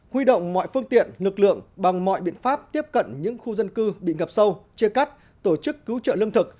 huy động mọi phương tiện lực lượng bằng mọi biện pháp tiếp cận những khu dân cư bị ngập sâu chia cắt tổ chức cứu trợ lương thực